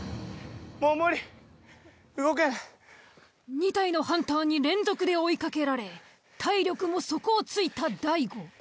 ２体のハンターに連続で追いかけられ体力も底をついた大悟。